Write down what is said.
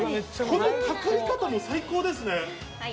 このかかりかたも最高ですね。